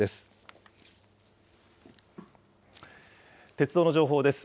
鉄道の情報です。